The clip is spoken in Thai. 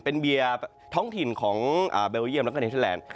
เป็นเบียร์ท้องถิ่นของเบลเยียมและนิทรลานด์